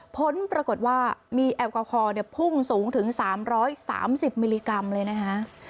ผลปรากฏว่ามีแอลกอฮอลพุ่งสูงถึง๓๓๐มิลลิกรัมเลยนะคะ